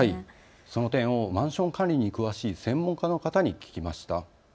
その点をマンション管理に詳しい専門家の方に聞きました。